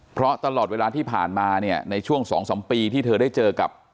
เพราะตลอดเวลาที่ผ่านมาเนี่ยในช่วง๒๓ปีที่เธอได้เจอกับ